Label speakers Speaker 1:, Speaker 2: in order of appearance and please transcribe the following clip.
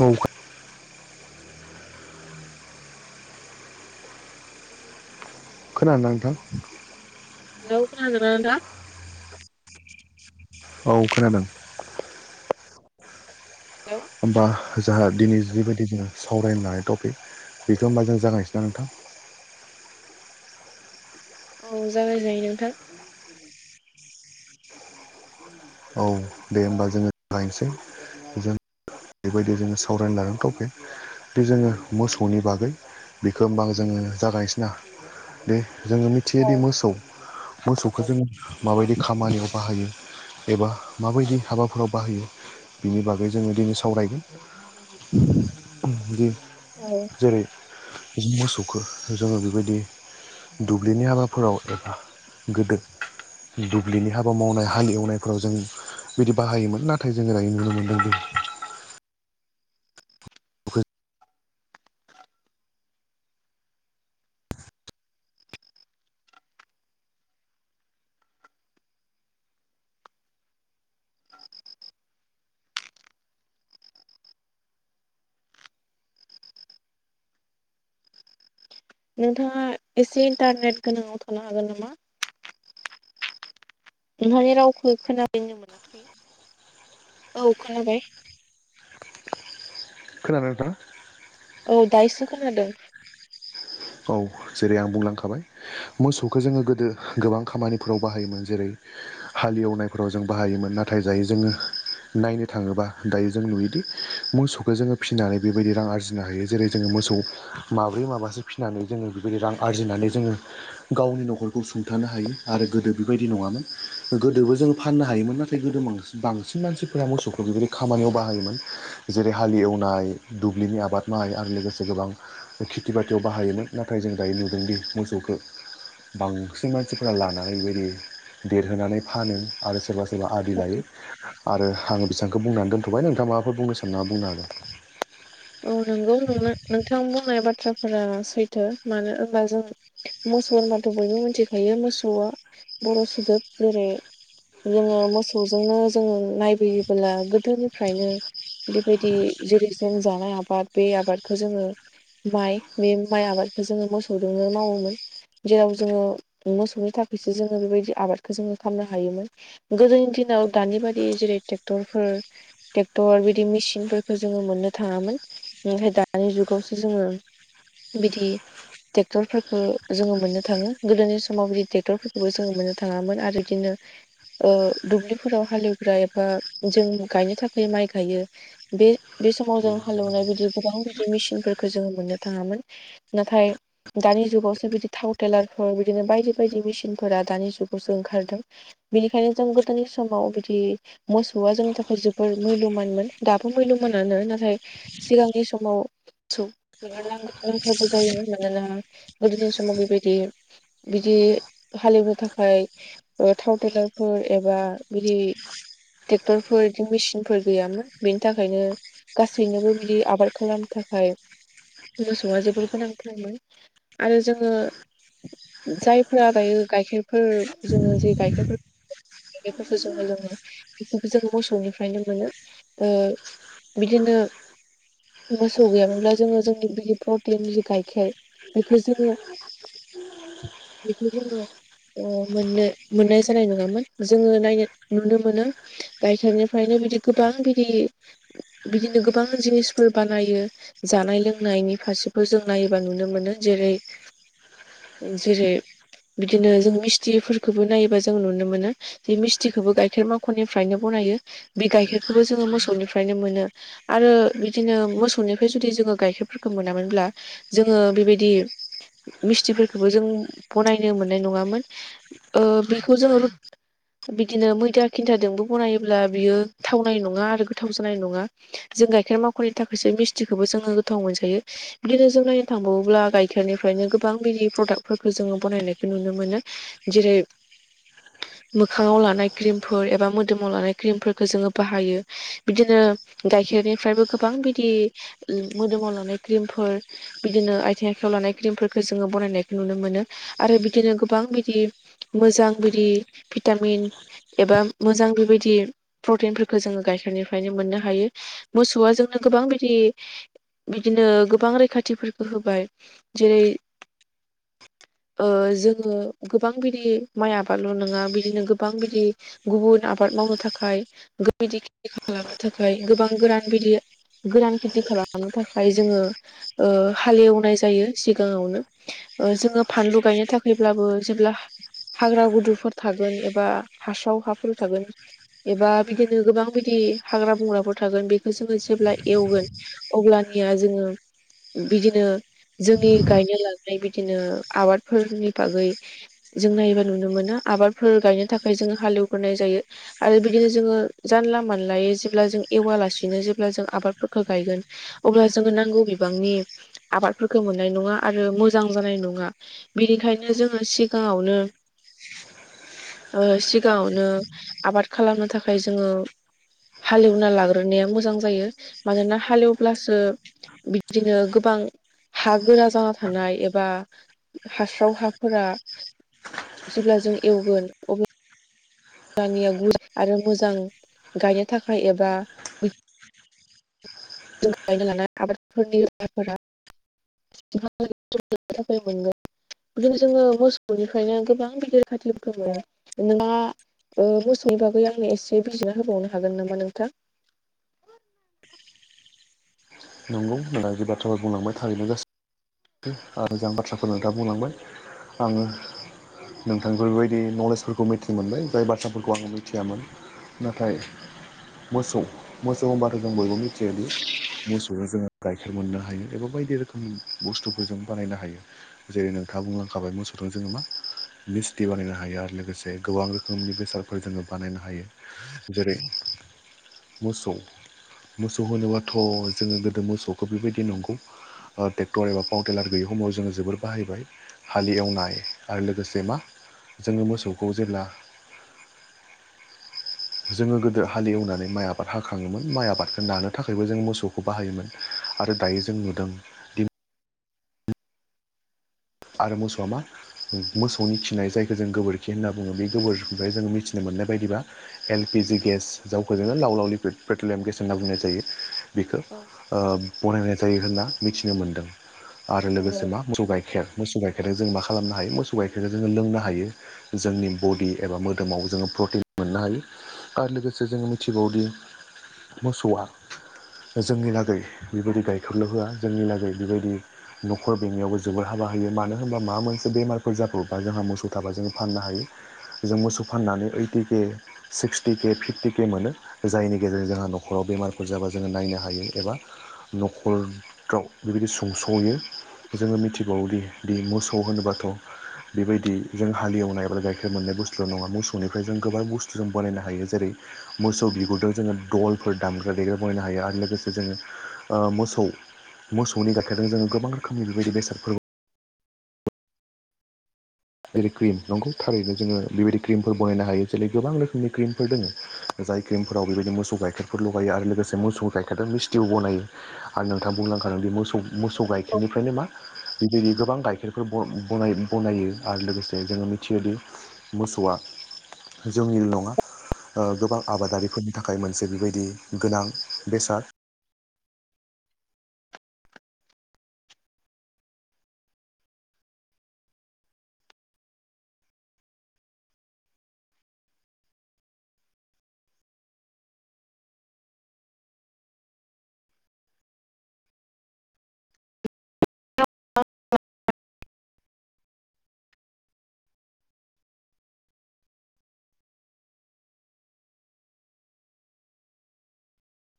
Speaker 1: औ खोनादोंना नोंथां?
Speaker 2: नों खोनादोंना नोंथां? [unintelligible]
Speaker 1: औ खोनादों।
Speaker 2: [unintelligible]
Speaker 1: होमबा जाहा दिनै जिबायदि जोंङो सावरायनो हानाय टपिक बेखौ' होमबा जों जागांसै न नोंथां?
Speaker 2: औ जागाय जायो नोंथां।
Speaker 1: औ दे होमबा जोंङो लायनोसै बेबायदि जोंङो सावरायनो लानो थपिक बे जोंङो मोसौनि बागै बेखौ होमबा जोंङो जागायसैना। दे जोंङो
Speaker 2: औ
Speaker 1: मिथियोदि मोसौ मोसौखौ जोंङो माबायदि खामानियाव बाहायो एबा माबायदि हाबाफोराव बाहायो। बिनि बागै जोंङो दिनै सावरायगोन दि
Speaker 2: औ
Speaker 1: जेरै बि मोसौखौ जोंङो बेबायदि दुब्लिनि हाबाफोराव एबा गोदो दुब्लिनि हाबा मावनाय हाल एवनायफोराव जों बिदि बाहायोमोन नाथाय जोंङो दा नुनो मोनदोंदि
Speaker 2: नोंथांङा एसे इन्टारनेट गोनांङाव थानो हागोन नामा? नोंहानि रावखौ खोनाबायनो मोनाखै औ खोनाबाय।
Speaker 1: खोनादों नोंथां?
Speaker 2: औ दायोसो खोनादों।
Speaker 1: औ जेरै आं बुंलांखाबाय मोसौखौ जोङो गोदो गोबां खामानिफोराव बाहायोमोन जेरै हालेवनायफोराव जों बाहायोमोन नाथाय जायो जोङो नायनो थाङोबा दायो जों नुयोदि मोसौखौ जोङो फिनानै बेबायदि रां आरजिनो हायो जेरै जोङो मोसौ माब्रै माबासो फिनानै जोङो बेबायदि रां आरजिनानै जोङो गावनि न'खरखौ सुंथानो हायो आरो गोदो बेबायदि नङामोन गोदोबो जोङो फाननो हायोमोन नाथाय गोदो म बांसिन मानसिफोरा मोसौखौ बेबायदि खामानियाव बाहायोमोन। जेरै हाल एवनाय दुब्लिनि आबाद मावनाय आरो लोगोसे गोबां खेथि बा खाथियाव बाहायोमोन नाथाय जों दायो नुदोंदि मोसौखौ बांसिन मानसिफोरा लानानैबायदि देरहोनानै फानो आरो सोरबा सोर जेब्ला आदि लायो आरो आङो बेसांखौ बुंनानै दोनथ'बाय नोंथां माबाफोर बुंनो साननानै बुंनो हागोन
Speaker 2: औ नोंगौ नों नोंथां बुंनाय बाथ्राफोरा सैथो मानो होनबा जों मोसौ होनबाथ' बयबो मिथिखायो मोसौआ बर' सुजोब जेरै जोङो मोसौजोंनो जोङो नायबोयोबोला गोदोनिफ्रायनो बेबायदि जेरै जों जानाय आबाद बे आबादखौ जोङो माइ बे माइ आबादखौ जोङो मोसौजोंनो मावोमोन। जेराव जोङो मोसौनि थाखायसो जोङो बेबायदि आबादखौ जोङो खालामनो हायोमोन गोदोनि दिनाव दानि बादि जेरै ट्रेक्टरफोर ट्रेक्टर बिदि मेसिन फोरफोरखौ जोङो मोननो थाङामोन ओमफ्राय दानि जुगावसो जोङो बिदि ट्रेक्टरफोरखौ जोङो मोननो थाङो गोदोनि समाव बिदि ट्रेक्टरफोरखौबो जोङो मोननो थाङामोन आरो बिदिनो ओ दुब्लिफोराव हालेवग्रा एबा जों गायनो थाखाय माइ गायो। बे-बे समाव जों हालेवनाय बिदि गोबां बिदि मेसिनफोरखौ जोङो मोननो थाङामोन। नाथाय दानि जुगावसो बिदि थाव टेलारफोर बिदिनो बायदि बायदि मेसिनफोरा दानि जुगावसो ओंखारदों। बिनिखायनो जों गोदोनि समाव बिदि मोसौआ जोंनि थाखाय जोबोर मुल्यमानमोन दाबो मुल्यमानानो नाथ सिगांनि समाव लांथारगौ जायोमोन मानोना गोदोनि समाव बेबायदि बिदि हालेवनो थाखाय ओ थाव थेलारफोर एबा बिदि ट्रेक्टरफोर बिदि मेसिनफोर गैयामोन बेनि थाखायनो गासैनोबो बिदि आबाद खालामनो थाखाय मोसौआ जोबोर गोनांथारमोन आरो जोङो जायफोरा दायो गाइखेरफोर जोङो जे गाइखेरफोर बेफोरखौ जोङो लोङो बेफोरखौ जोङो मोसौनिफ्रायनो मोनो ओ बिदिनो मोसौ गैयामोनब्ला जोङो जोंनि बिदि प्रटिन जि गाइखेर बेखौ जोङो बेखौ जोङो। ओ मोननो मोननाय जानाय नङामोन जोङो नायनो नुनो मोनो। गाइखेरनिफ्रायनो बिदि गोबां बिदि बिदिनो गोबां जिनिसफोर बानायो। जानाय लोंनायनि फारसेखौ जों नायोबा नुनो मोनो जेरै जेरै बिदिनो जों मिस्थिफोरखौबो नायोबा जों नुनो मोनो। बे मिस्थिखौबो गाइखेर माखननिफ्रायनो बनायो बे गाइखेरखौबो जोङो मोसौनिफ्राय नो मोनो आरो बिदिनो मोसौनिफ्राय जुदि जोङो गाइखेरफोरखौ मोनामोनब्ला जोङो बेबायदि मिस्थिफोरखौबो जों बनायनो मोननाय नङामोन ओ बेखौ जोङो बिदिनो मैदा खिन्थाजोंबो बनायोब्ला बियो थावनाय नङा आरो गोथाव जानाय नङा जों गाइखेर माख'ननि थाखायसो मिस्थिखौबो जोङो गोथाव मोनजायो। बिदिनो जों नायनो थांबावोब्ला गाइखेरनिफ्रायनो गोबां बिदि प्रडाक्टफोरखौ जोङो बनायनायखौ नुनो मोनो। जेरै मोखाङाव लानाय क्रिमफोर एबा मोदोमाव लानाय क्रिमफोरखौ जोङो बाहायो। बिदिनो गाइखेरनिफ्रायबो गोबां बिदि मोदोमाव लांनाय क्रिमफोर। बिदिनो आथिं आखायाव लानाय क्रिमफोरखौ जोङो बनायनायखौ नुनो मोनो आरो बिदिनो गोबां बिदि मोजां बिदि भिटामिन एबा मोजां बेबायदि प्रटिनफोरखौ जोङो गाइखेरनिफ्राय यनो मोननो हायो मोसौवा जोंनो गोबां बिदि बिदिनो गोबां रैखाथिफोरखौ होबाय जेरै ओ जोङो गोबां बिदि माइ आबादल' नङा बिदिनो गोबां बिदि गुबुन आबाद मावनो थाखाय खालामनो थाखाय गोबां गोरान बिदि गोरान खेथि खालामनो थाखाय जोङो ओ हालेवनाय जायो सिगाङावनो। जोङो फानलु गायनो थाखायब्लाबो जेब्ला हाग्रा गुदुफोर थागोन एबा हास्राव हाफोर थागोन। एबा बिदिनो गोबां बिदि हाग्रा बंग्राफोर थागोन बेखौ जोङो जेब्ला एवगोन अब्लानिया जोङो बिदिनो जोंनि गायनो लानाय बिदिनो आबादफोरनि बागै जों नायोबा नुनो मोनो आबादफोर गायनो थाखाय जोङो हाल एवग्रोनाय जायो। आरो बिदिनो जोङो जानला मोनलायै जेब्ला जों एवालासेनो जेब्ला जों आबादफोरखौ गायगोन अब्ला जों नांगौ बिबांनि आबादफोरखौ मोननाय नङा आरो मोजां जानाय नङा। बिनिखायनो जोङो सिगाङावनो ओ सिगाङावनो आबाद खालामनो थाखाय जोङो हाल एवना लाग्रोनाया मोजां जायो। मानोना हाल एवब्लासो बिब्दिनो गोबां हा गोरा जाना थानाय एबा हास्राव हाफोरा जेब्ला जों एवगोन अब्ला [unintelligible] आरो मोजां गायनो थाखाय एबा जों गायनो लानाय आबादफोरनि [unintelligible] [inaudible] बिदिनो जोङो मोसौनिफ्रायनो गोबां गिदिर [unintelligible] जेनेबा ओ मोसौनि बागै आंनो एसे बिजिरना होबावनो हागोन नामा नोंथां।
Speaker 1: नंगौ [unintelligible] जे बाथ्राफोर बुंलांबाय थारैनो गासै ओ मोजां बाथ्राफोरनो दा बुंलांबाय आङो नोंथांनिफाय बेबायदि नलेजफोरखौ मिथि मोनबाय जाय बाथ्राफोरखौ आङो मिथियामोन। नाथाय मोसौ-मोसौ होनबाथ' जों बयबो मिथियोदि मोसौनो जोङो गाइखेर मोननो हायो एबा बायदि रोखोम बुस्थुफोर जों बानायनो हायो। जेरै नोंथाङा बुंलांखाबाय मोसौजों जोङो मा मिस्टि बानायनो हायो आरो लोगोसे गोबां रोखोमनि बेसादफोर जोङो बानायनो हायो। जेरै मोसौ मोसौ होनोबाथ' जोङो गोदो मोसौखौ बेबायदि नंगौ ओ टर एबा पावउटेलार गैयै खमाव जोङो जोबोर बाहायबाय हालि एवनाय आरो लोगोसे मा जोङो मोसौखौ जेब्ला जोङो गोदो हाले एवनानै माइ आबाद हाखाङोमोन माइ आबादखौ नानो थाखायबो जों मोसौखो बाहायोमोन। आरो दायो जों नुदों। दि आरो मोसौआ मा मोसौनि खिनाय जायखौ जों गोबोरखि होनना बुङो बे गोबोरखिनिफ्राय जोङो मिथिनो मोननाय बायदिबा एल पि जि गेस जावखौ जोङो लाव-लाव पेट्रलियाम गेस होनना बुंनाय जायो। बेखो
Speaker 2: औ
Speaker 1: ओ बनायनाय जायो होनना मिथिनो मोन्दों आरो
Speaker 2: औ
Speaker 1: लोगोसे मा मोसौ गाइखेर मोसौ गाइखेरखो जों मा खालामनो हायो मोसौ गाइखेरखो जोङो लोंनो हायो। जोंनि बडि एबा मोदोमाव जोङो प्रटिन मोननो हायो। आरो लोगोसे जोङो मिथिबावोदि मोसौआ जोंनि लागै बेबायदि गायखेरल' होआ जोंनि लागै बेबायदि न'खर बेंनायावबो जोबोर हाबा हायो मानो होनबा माबा मोनसे बेमारफोर जाब्र'बबा जोंहा मोसौ थाबा जोङो फाननो हायो। जों मोसौ फाननानै ओदटि केे सिक्सटि केे फिफटि केे मोनो। जायनि गेजेरजों जोंहा न'खराव बेमारफोर जाबा जोङो नायनो हायो एबा न'खरफ्राव बेबायदि सुंस'यो जोङो मिथिबावोदि दि मोसौ होनोबाथ' बेबायदि जों हालि एवनाय बा गाइखेर मोननाय बुस्थुल' नङा मोसौनिफ्राय जों गोबां बुस्थु जों बानायनो हायो जेरै मोसौ बिगुरजों जोङो दलफोर दामग्रा देग्रा बायनो हायो आरो लोगोसे जोङो ओ मोसौ मोसौनि गाइखेरजों जोङो गोबां रोखोमनि बेबायदि बेसादफोर जेरै क्रिम नंगौ थारैनो जोङो बेबायदि क्रिमफोर बनायनो हायो जेरै गोबां रोखोमनि क्रिमफोर दोङो जाय क्रिमफोराव बेबायदि मोसौ गाइखेरफोर लगायो आरो लोगोसे मोसौ गाइखेरजों मिस्थिबो बनायो। आरो नोंथां बुंलांखादों बे मोसौ मोसौ गाइखेरनिफ्रायनो मा गिबि गोबां गाइखेरफोर ब-बनायो बनायो आरो लोगोसे जों मिथियोदि मोसौआ जोंनिल' नङा गोबां आबादारिफोरनि थाखाय मोनसे बेबायदि गोनां बेसाद